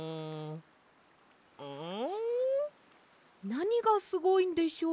なにがすごいんでしょう？